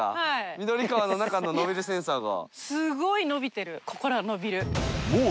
緑川の中のノビルセンサーが。